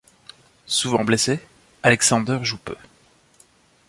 Souvent blessé, Alexander joue peu.